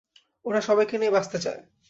ওরা সবাইকে নিয়ে বাঁচতে চায়।